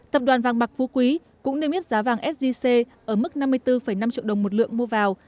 tập đoàn vàng bạc vũ quý cũng niêm yết giá vàng sgc ở mức năm mươi bốn năm triệu đồng một lượng mua vào